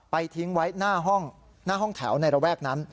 ไปทิ้งไว้หน้าห้องแถวในระแวกนั้น